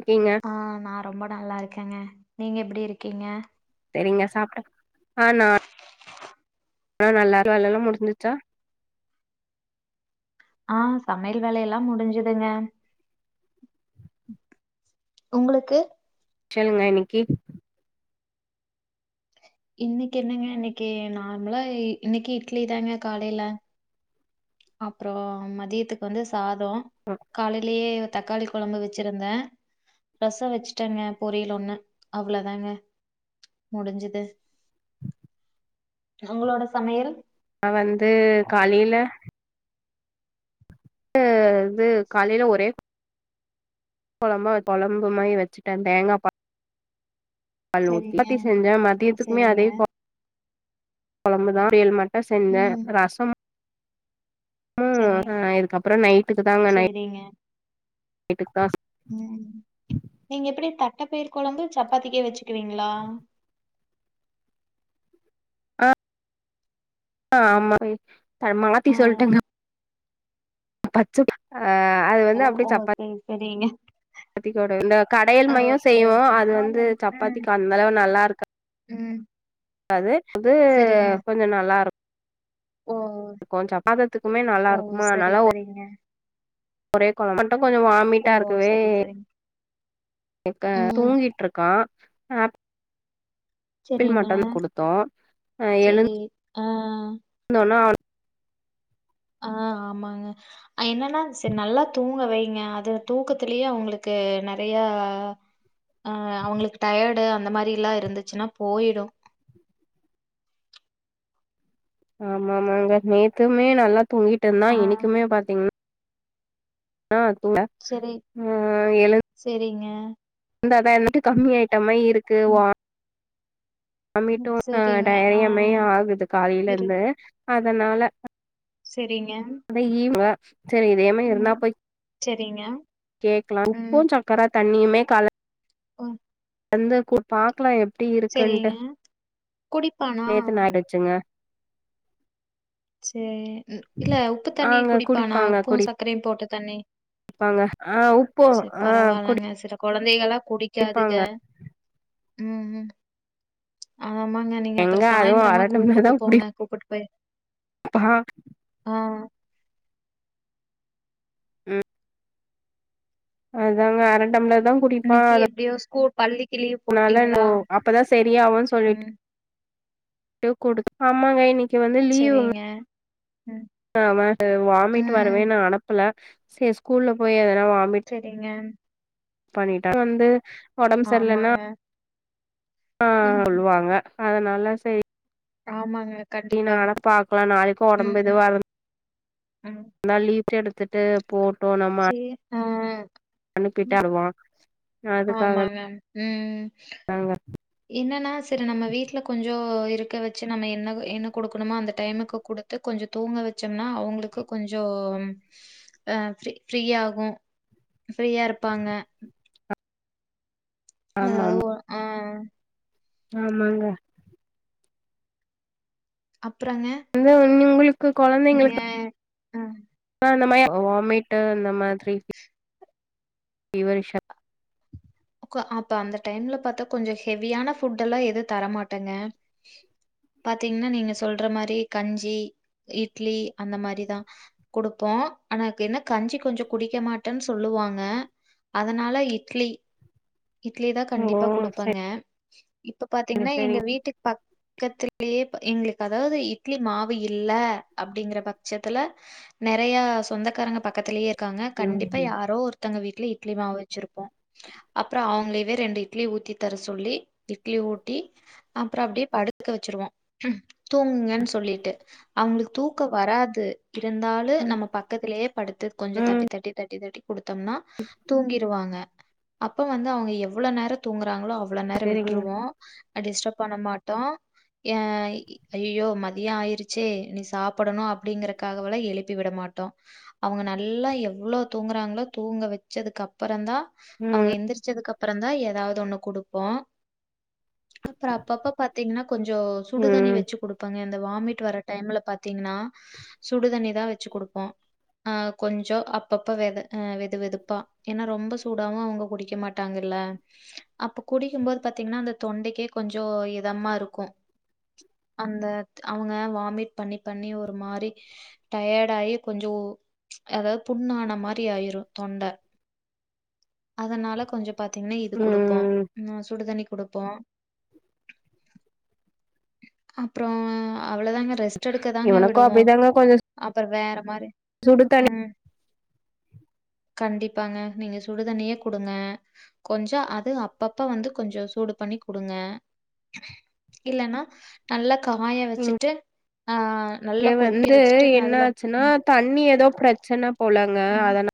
ஓகேங்க ஆ நா ரொம்ப நல்லா இருக்கேங்க நீங்க எப்டி இருக்கீங்க செரிங்க சாப்ட்டா ஆ நா நா நல்லாரு வேலல்லா முடிஞ்சுச்சா ஆ சமையல் வேலயெல்லா முடிஞ்சுதுங்க உங்களுக்கு சொல்லுங்க இன்னிக்கி இன்னிக்கி என்னங்க இன்னிக்கு நார்மலா இன்னிக்கி இட்லி தாங்க காலைல அப்றோ மதியத்துக்கு வந்து சாதோ காலைலயே தக்காளி கொழம்பு வச்சிருந்தே ரசம் வச்சுட்டாங்க பொரியல் ஒண்ணு அவ்ளோதாங்க முடிஞ்சது அவங்களோட சமையல் ந வந்து காலைல இது இது காலையில ஒரே குழம்பா குழம்பு மாதிரி வச்சுட்டன் தேங்காபால் ஹலோ சரிங்க சப்பாத்தி செஞ்சா மதியத்துக்குமே சரிங்க. அதே கு குழம்பு தான் பொரியல் மட்டு செஞ்ச ம் ரஸ் சரி ம் ம் இதுக்கப்புறம் நைட்டுக்கு தாங்க நைட் சரிங்க. நைட்டுக்கு தான் நீங்க எப்டி தட்டைப்பயிர் குழம்பு சப்பாத்திக்கே வச்சுக்குவீங்களா ஆ ஆமா த மாத்தி ஆ சொல்ட்டேங்க பச்ச ஆ அது ஓ ஓ செரி செரிங்க சாப்பாத்திக்கு வேற இல்ல கடையல் மாறியும் செய்வோம் ஓகே அது ஆமா வந்து ம் சப்பாத்திக்கும் அந்த அளவு நல்லா இருக் ம் அது அது சரிங்க கொஞ்சம் நல்லா இருக் ஓ ஓ இருக்கும் சப்பத்தத்துக்குமே நல்லா இருக்குமா நல்லா ஒ இங்க ஒரே குளம் மட்டும் கொஞ்சம் ஓ வாமிட்டா இருக்குமே சரி சரிங்க இப்ப ம் தூங்கிட்டு இருக்கான் ஆ ஆப்பிள் சரிங்க மட்டும் குடுத்தோம் அ எழு ஆ ஆ நல்லா ஆ ஆமாங்க என்னன்னா சரி நல்லா தூங்க வைங்க அது தூக்கத்திலயே அவங்களுக்கு நறையா ஆ அவங்களுக்கு டயர்டு அந்த மாதிரிலாம் இருந்துச்சுனா போயிடும் ஆமா ஆமாங்க நேத்துமே நல்லா தூங்கிட்டு ஆ இருந்தான் இனைக்குமே பாத்தீங்கன்னா ஆ துங்கன செரி செரிங்க இந்தெடம் இருட்டு கம்மி ஐட்டமாரி இருக்கு ம் வா ம் அம்மிட்டும் ஆ சரிங்க ஆ டைரியாமே ஆகுது காலைல இரு இருந்து அதனால செரிங்க அதான் ஈவ் ஹலோ சரி இதேமாரி எல்லா பை செரிங்க கேக்லா உப்புஞ் சக்கரத் தண்ணியுமே கல ஒர் வந்து கூ பாக்லா எப்டி இருக்குன்ட்டு குடிப்பானா நேத்து நாய்டுக் சுங்க சேய் இன் இல்ல உப்புத் தண்ணி ஆங்க குடிப்பானா உப்பும் சக்கரையும் போட்ட தண்ணி ப்பாங்க ஆ உப்போ ஆ குடி கொழந்தைகளா குடிக்காதுக ம் ம் அத ஆமாங்க நீங்க அப்றோ எங்க அதுவு சாய்ந்ரமா அர கூப்புட்டு போங்க கூப்புட்டு போய் அஹா ஆ ம் அதாங்க அர டம்ளர்தாங் இன்னைக்கி எப்டியோ ஸ்கூல் பள்ளிக்கு லீவ் போட்டீங்களா? னாலன்போ அப்பதா செரியாவுன் சொல்லிட்டு ம். டு குடுத் ஆமாங்க இன்னைக்கு வந்து லீவுங்க சரிங்க. ம், ஆ [unintelligible] வாமிட் ம். வரவேன் நா அனப்புல சே ஸ்கூல்ல போய் எதனா வாமிட் செரிங்க பண்ணிட்டா வந்து ஒடம் செர்லனா ஆமாங்க. ஆ ம். சொல்லுவாங்க அதனால செய் ஆமாங்க கண்டிப்பா. இநானப் பாக்லா நாளைக்கு ஒடம்பு ம், எதுவு ம். [unintelligible] எடுத்துட்டு போட்டோ நம்ம சே அன் ம் அனுப்பிட்டா அழுவா ஆமாங்க ம் என்னனா செரி நம்ம வீட்ல கொஞ்சோ இருக்க வெச்சு நம்ம என்னக என்ன குடுக்குணுமோ அந்த டைமுக்கு குடு த்து கொஞ்சோ தூங்க வெச்சோம்னா அவுங்ளுக்கு கொஞ்சோம் அ ஃப்ரீ ஃப்ரீயகு ஃப்ரீயா இருப்பாங்க ஆமா அதாவது ஒ மா ஆ ஆமாங்க அப்றோங்க அந்த ஒன்னி உங்குளுக் நீங்க அ அ இந்த மாய அ வாமிட்டு் இந்த மாதிரி ஃபிவரிஷா உக்கா அப்ப அந்த டைம்ல பாத்தா கொஞ்சோ ஹெவியான ஃபுட் எல்லா எது தரமாட்டேங்க பாத்தீங்னா நீங்க சொல்ற மாரி கஞ்சி இட்லி அந்த மாரிதா குடுப்போ அனக் எனக் கஞ்சி கொஞ்சோ குடிக்க மாட்டேன் சொல்லுவாங்க அதனால இட்லி இட்லிதா ஓ கண்டிப்பா குடுப்பாங்க இப்ப செரி பாத்தீங்னா எங்க செரிங் வீட்டுக் பக்கத்து லியேப் எங்ளுக்கு அதாவ்து இட்லி மாவு இல்ல அப்டிங்கிற பட்சத்துல நெறையா சொந்தகாரங்க பக்கத்திலியேருக் க்காங்க ம் கண்டிப்பா யாரோ ஒருத்தங்க வீட்ல இட்லி மாவு வெச்சிருப்போ அப்புறோ அவங்களயே ரெண்டு இட்லி ஊத்தி தர சொல்லி இட்லி ஊட்டி அப்புறோ அப்டியே படுக்க வச்சிருவோம் தூங்குங்க சொல்லிட்டு அவங்களுக்கு தூக்கோ வராது இருந்தாலு ம் நம்ம பக்கத்திலேயே படுத்து கொஞ்சோ ம் தட்டி தட்டி தட்டி தட்டி குடுத்தோம்னா தூங்கிடுவாங்க அப்போ வந்து அவங்க எவ்ளோ நேரம் தூங்குறாங்களோ அவ்ளோ நேரோ செரிங்க விட்டுருவோ டிஸ்டர்ப பண்ண மாட்டோ ஏன் அய்அய்யோ மதியம ஆயிடுச்சே நீ சாப்பிடணணூ அப்படிங்கறக் காகவல்லா எலுப் பி விட மாட்டோ அவங்க நல்லா எவ்ளோ தூங்குறாங்களோ தூங்க வச்சதுக்கு அப்பறம் தான் அவங்க ம் எந்திரிச்சதுக்கு அப்பறம் தா ஏதாவது ஒண்ணு கொடுப்போ அப்புறோ அப்பப்ப பாத் பாத்தீங்கன்னா கொஞ்சோ சுடுதண்ணி ம் வச்சு கொடுப் ப்பாங்க இந்த வாமிட் வர டைம்ல பாத்தீங்கன்னா சுடுதண்ணி தா வச்சு கெடுப்போ ஆ கொஞ்சோ அப்பப்ப வெது வெது வெதுப்பா ஏன்னா ரொம்ப சூடாவூ அவங் க குடிக்க மாட்டாங்கில்ல அப்ப குடிக்கும்போது பாத்தீங்கன்னா அந்த தொண்டைக்கே கொஞ்சோ இதமா இருக்கோ அந்த அவங்க வாமிட் பண்ணி பண்ணி ஒரு மாரி டயர்ட் ஆகி கொஞ்சோ அதாவது புண்ணான மாரி ஆயிரூ தொண்ட அதனால கொஞ்சோ பாத்தீங்கன்னா இது குடுப்போ ம் ஹ சுடுதண்ணி கொடுப்போ அப்புறோ அவ்ளதாங்க இவனுக்கூ அப்படிதங்க கொஞ்சே அப்புறோ வேற மாரி சுடு தண்ணி ம் கண்டிப்பாங்க நீங்க சுடுதண்ணியே குடுங்க கொஞ்சோ அது அப்பப்ப வந்து கொஞ்சோ சூடு பண்ணி குடுங்க இல்லன்னா நல்லா காய வச்சுட்டு ஆ நல்லா இங்கே கொதிக்க வந்து வச்சுட்டு என்ன அதுல ஆச்சுன்னா ம், தண்ணி ஏதோ பிரச்சனை போலங்க ம், அதனால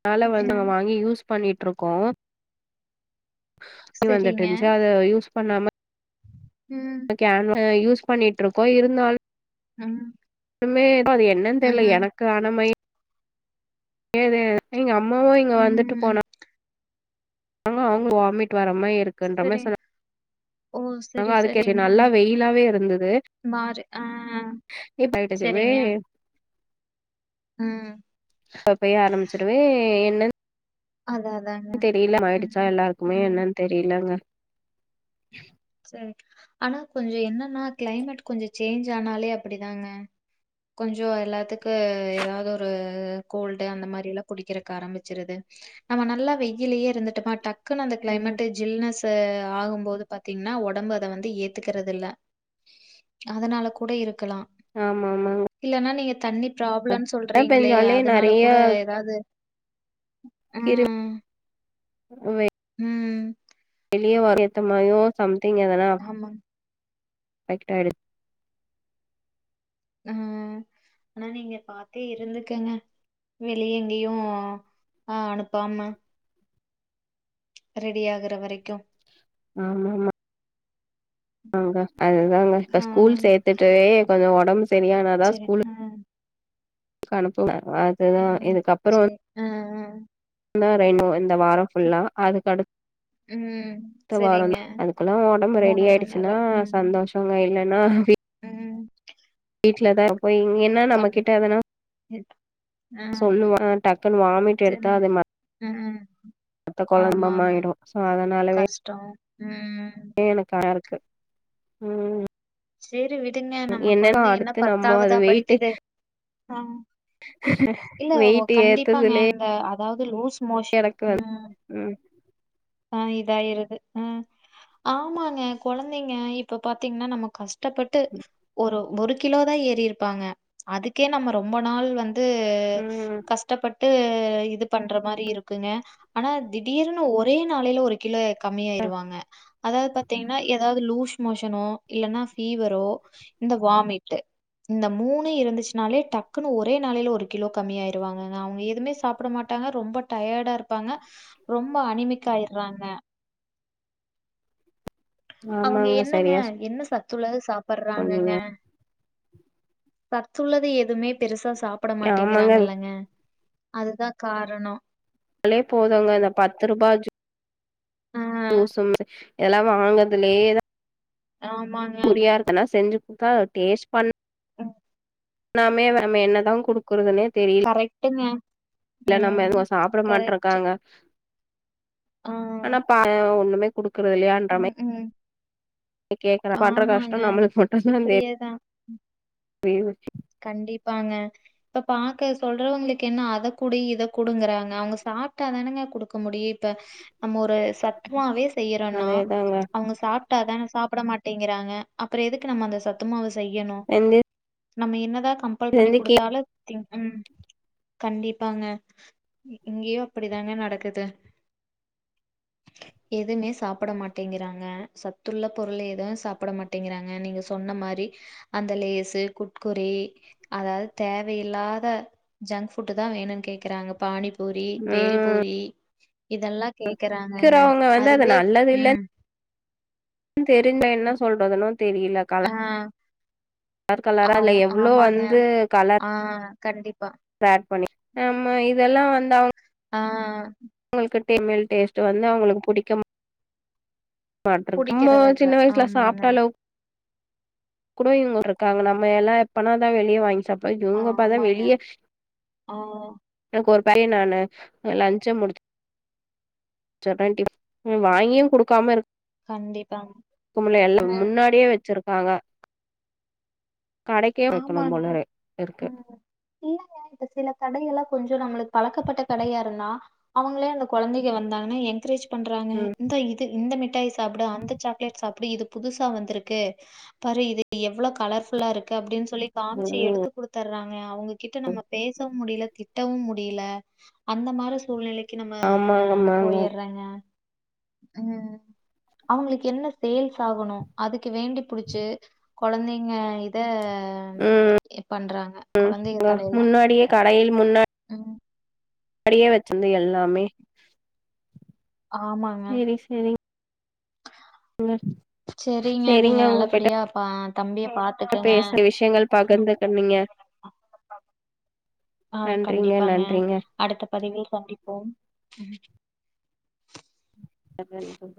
அதனால வந்து ம், வாங்கி யூஸ் பண்ணிட் இருக்கோ ணி சரிங்க வந்துட்ருச்சா அத யூஸ் பண்ணாம ம் கேன் வா யூஸ் பண்ணிட்டு இருக்கோ இருந்தாலூ ம் மே அது என்னன்னு தெரியல ம் எனக்கு ஆன மோரி ஏது எங் அம்மாவூ இங்க வந்துட்டு ம் போனாங் அங்க அவங்களும் வாமிட் வர மாரி இருக்குன்ற சரி மாரி சொன்னாங் ஓ நாங்க சரி அதுக்கே இப்ப சரிங்க நல்லா வெயிலாவே இருந்தது மாறு ஆ ஏ சரிங்க [unintelligible] ம் அப்பயே ஆரம்பிச்சிருவே என்னன் அத் அதான் தெரியல மாயிடுச்சா எல்லாருக்குமே என்னன்னு தெரியலங்க சரி ஆனா கொஞ்சோ என்னன்னா கிளைமேட் கொஞ்சோ சேஞ்ச் ஆனாலே அப்படிதாங்க கொஞ்சோ எல்லாத்துக்கு ஏதாவது ஒரு கோல்டு அந்த மாதிரில்லாம் புடிக்கிறக்கதுக்கு ஆரம்பிச்சிருது நம்ம நல்லா வெயிலேயே இருந்துட்டோமா டக்குன்னு அந்த ம் கிளைமேட் ஜில்னஸ் ஆகும்போது பாத் தீங்ன்னா ஒடம்பு அத வந்து ஏத்துக்கற்றது இல்ல அதனால கூட இருக்கலா ஆமாமாங்க இல்லன்னா நீங்க தண்ணி ப்ராப்ளம் சொல்றீங்களே பெஞ்சாலே அதனால நெறைய கூட ஏதாவது கிரு ம், வே ம் வெளியே வர ஏத்தமாறியோ சம்திங் எதனா ஆமா [unintelligible] அ ஆனா நீங்க பாத்தே இருந்துக்கங்க வெளிய எங்கேயு அ அனுப்பாம ரெடி ஆகுற வரைக்கு ஆமா ஆமா ஆங்க அதுதாங்க இப்ப ஆ ஸ்கூல் சேத்துட்டு கொஞ்சோ ஒடம்பு சரியா செரி ஆ கனுப்பு [unintelligible] ம் சேர் ஆ ந்தா ரெய்னோ இந்த வாரம் ஃபுல்லா அதுக்குடு ம் த்த சரிங்க. வாரந்தா அதுக்குல்லா ஒடம்பு ரெடி மணி ஆயிடுச்சுன்னா நேரம். ம், சந்தோஷங்க இல்லைன்னா ம் வீட்டுல தா இருப்போ இங்கியன் னா நம்ம கண் கிட்ட என்னனா எத் ஆ சொல்லுவா டக்குன் வாமிட் சரி எடுத்தா அத ம் த்த குழம்ப மாயிடு சோ அதனாலவே டோ ம் எனக்கு அ [unintelligible] இருக்கு ம் சேரி விடுங்க நம்ம என்னன்னா கொழந்தைங்க என்ன அடுத்து நம்ம அது பத்தாவதா வெயிட்டு படிக்குது ஆ இல்ல ஓ வெயிட் கண்டிப்பாங்க ஏத்ததுலயே இந்த அதாவது லூஸ் மோஷ் எனக்கு ம் ம் ஆ இதாயிருது ஆ ஆமாங்க கொழந்தைங்க இப்ப பாத்தீங்ன்னா நமக் கஷ்டப்பட்டு ஒரு ஒரு கிலோ தா ஏறி இருப்பாங்க அதுக்கே நம்ம ரொம்ப நாள் வந் து ம் கஷ்டப்பட்டு இது பண்ற மாரி இருக்குங்க ஆனா திடீர்னு ஒரே நாளையிலா ஒரு கிலோ கம்மியாயிருவாங்க அதாவ்து பாத்தீங்ன்னா எதாவது லூஸ் மோஷனோ இல்லன்னா ஃபீவரோ இந்த வாமிட்டு் இந்த மூணு இருந்துச்சுனாலே டக்குன்னு ஒரே நாளையில ஒரு கிலோ கம்மி ஆயிருவாங்க அவங்க எதும்மே சாப்பட மாட் டாங்க ரொம்போ டயடா இருப்பாங்க ரொம்ப அனிமிக்கா ஆயிற்றாங்க அவங்க ஆமாங்க என்னங்க சரியா என்ன சத் துள்ளது சாப்பற்றாங்கங்க சொன்னீங்க சத்துள்ளது எதும்மே பெருசா சாப் பட ஆமாங்க மாட்டிங்கிறாங்கலங்க அதுதா காரணோ லே போதுங்க இந்த பத்து ரூபா ஜி ஆ, ஜுசு [inaudible] எல்லா வாங்கதலேதா ஆமா புரியா இருக்கன்னா செஞ்சு குத்தா டேஸ்ட் பண் ஆஹ் நாமே நம் என்னதா குடுக்குறதுன்னே தெரில் கரெக்ட்டுங்க லா ம். நம்ம சாப்பட கரெக்ட். மாட்ருங்காங்க ஆ. ஆனா ப ஒண்ணுமே குடுக்குற இல்லையான்றமை ம். ம் எ கேக்குற பண்ற கஷ்டொ ஆமாங்க. நம்மளுக்கு மட்டுந்தா இப்படியே தான். தெ கண்டிப்பாங்க இப்ப பாக்க சொல்றவங்களுக்கு என்ன அத குடு இத குடுங்கறாங்க அவங்க சாப்பிட்டா தானங்க குடுக்க முடியு இப்ப நம்ம ஒரு சத்துமாவே செய்யறோன்னா அதேதாங்க அவ்ங்க சாப் டாதான சாப்பிட மாட்டேங்கிறாங்க அப்றொ எதுக்கு நம்ம அந்த சத்துமாவ செய்யணு எந்து நம்ம என்னதா கம்ப்பல் பண்ணி குடுத்தாலு தின் ம் கண்டிப்பாங்க இங்கயு அப்டிதான நடக்குது எதுமே சாப்புட மாட்டேங்கிறாங்க சத்துள்ள பொருள் எது சாப்பிட மாட் டேங்கிறாங்க நீங்க சொன்ன மாரி அந்த லேஸூ குர் குரே அதாவது தேவயில்லாத ஜங்க் ஃபுட்தா வேணுன் கேக்கறாங்க பானிபூ பூரி பேல் பூரி இதெல்லா கேக்குறாங்கங்க கேக்குறவங்க வந்து அது அதுவே ம் ம் தெரி்ல என்ன சொல்றதுன்னு தெரில ஆ கலா கலர் கலரா ஆமா இல்லா எவ்ளோ ஆமாங்க வந்து கலர் ஆ கண்டிப்பா ஆமா இதெல்லா வந்து அவ்ங்க ஆ அவங்கள்க்கு டேமல் டேஸ்ட் வந்து அவங்களுக்கு புடிக்குன பாட்ருக்காங்கோ புடிக்கிறது இல்ல சின்ன வயசுலா ஆமாங்க சாப்பிட்டளவுக் கூட இவங்க இருக்காங்க நம எல்லா எப்பனாதா வெளிய வாங்கி சாப் பா ஆ இவ்ங்க அப்பாதா ஆமாங்க வெளிய ஆ எனக்கு ஒரு பைய நானு லஞ்ச்சே முடிச்சி செர் ஆன்ட்டி உ வாங்கியு குடுக்காம இருக் கண்டிப்பாங்க ஸ்கூல்ல எல்ல ம் முன்னாடியே வெச்சிருக்காங்க வெக்கணும் ஆமாங்க போலரெ இருக்கு ம். இல்லங்க இப்ப சில கடையெல்லா கொஞ்சொ நம்மளுக்கு பழக்கப்பட்ட கடையாருந்தா அவங்களே அந்த கொழந்தைங்க வந்தாங்கனா என்கரேஜ் பண்றாங்க ம் இந்த இது இந்த மிட்டாய் சாப்டு அந்த சாக்லேட் சாப்டு இது புதுசா வந்திருக்கு பாரு இது எவ்ளோ கலர்ஃபுல்லா இருக் கு அப்டின் சொல்லி காம்ச்சி ம் எடுத்து குடுத்தர் ராங்க அவுங்ககிட்ட நம்ம பேசவு முடியல திட்டவு முடியல அந்த மாரி சூழ்நிலைக்கு நம்ம ஆமாங்க ஆமாங்க போயிறங்க ம் அவுங்களுக்கு என்ன சேல்ஸ் ஆகணு அதுக்கு வேண்டி புடிச்சு கொழந்தைங்க இத ம் எ பண்றாங்க கொழந்தைங்க தலைல முன்னாடியே கடையில் முன்னா ம் அப்டியே வச்சிருந்த எல்லாமே ஆமாங்க செரிங்க நீங்க நல்லபடியா அப்ப தம்பிய பாத் பேசிய விஷயங்கள் பகிர்ந்து கொண்டீங்க ஆ நன்றிங்க கண்டிப்பாங்க நன்றிங்க அடுத்த பதிவில் சந்திப்போம் எபன் இன்டோன் பா